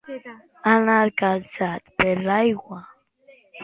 Anar calçat per l'aigua.